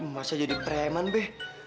masa jadi preman be